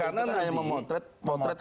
karena yang memotret hari ini